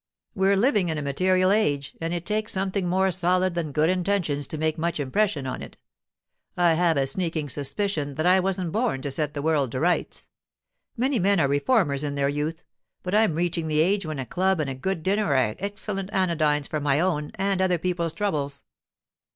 We're living in a material age, and it takes something more solid than good intentions to make much impression on it. I have a sneaking suspicion that I wasn't born to set the world to rights. Many men are reformers in their youth, but I'm reaching the age when a club and a good dinner are excellent anodynes for my own and other people's troubles.